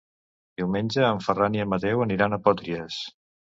Diumenge en Ferran i en Mateu aniran a Potries.